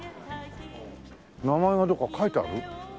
名前はどこか書いてある？